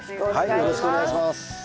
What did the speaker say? よろしくお願いします。